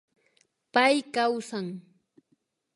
Pay kawsan